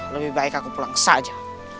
lebih baik aku pulang saja